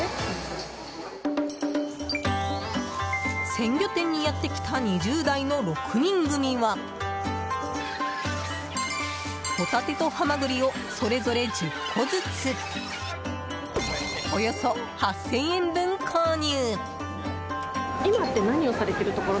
鮮魚店にやってきた２０代の６人組はホタテとハマグリをそれぞれ１０個ずつおよそ８０００円分購入。